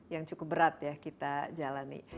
dua ribu dua puluh satu yang cukup berat ya kita jalani